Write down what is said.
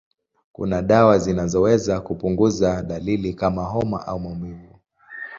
Kuna dawa zinazoweza kupunguza dalili kama homa au maumivu.